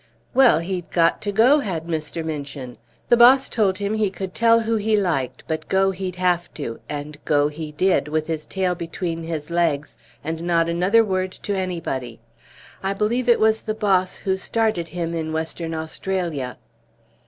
"Well, he'd got to go, had Mr. Minchin! The boss told him he could tell who he liked, but go he'd have to; and go he did, with his tail between his legs, and not another word to anybody. I believe it was the boss who started him in Western Australia."